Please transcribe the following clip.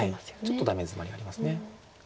ちょっとダメヅマリがあります。